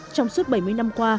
trong suốt bảy mươi năm qua